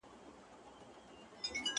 څوک یې وړونه څه خپلوان څه قریبان دي,